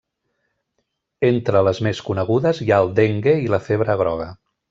Entre les més conegudes hi ha el dengue i la febre groga.